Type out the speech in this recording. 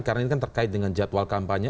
karena ini kan terkait dengan jadwal kampanye